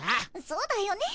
そうだよね。